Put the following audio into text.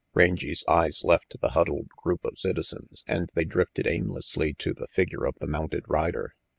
Rangy's eyes left the huddled group of citizens and they drifted aimlessly to the figure of the mounted rider.